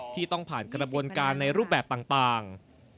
ที่ต้องผ่านกระบวนการในรูปแบบต่าง